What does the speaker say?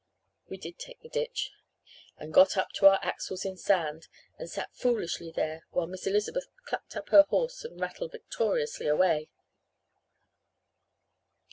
"We did take the ditch and got up to our axles in sand and sat foolishly there while Miss Elizabeth clucked up her horse and rattled victoriously away.